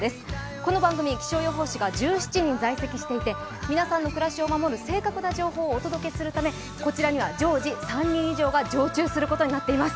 この番組、気象予報士が１７人在籍していて、皆さんの暮らしを守る正確な情報をお伝えするためこちらには常時３人以上が常駐することになっています。